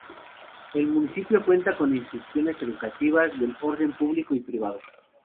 El municipio cuenta con instituciones educativas del orden público y privado.